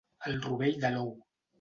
El rovell de l'ou.